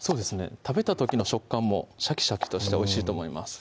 食べた時の食感もシャキシャキとしておいしいと思います